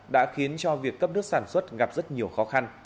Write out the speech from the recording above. đã khiến cho việc cấp nước sản xuất gặp rất nhiều khó khăn